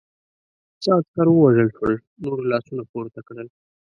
څه عسکر ووژل شول، نورو لاسونه پورته کړل.